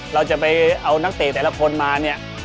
เราจะไปเอานักเตะแต่ละคนมาเนี่ย